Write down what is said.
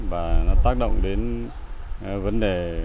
và nó tác động đến vấn đề